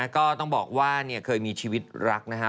ก็ต้องบอกว่าเคยมีชีวิตรักนะฮะ